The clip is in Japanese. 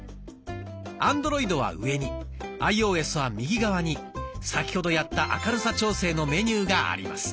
アンドロイドは上にアイオーエスは右側に先ほどやった明るさ調整のメニューがあります。